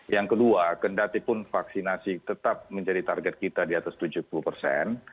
yang kedua kendatipun vaksinasi tetap menjadi target kita di atas tujuh puluh persen